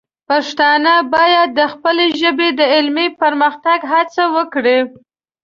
پښتانه باید د خپلې ژبې د علمي پرمختګ هڅه وکړي.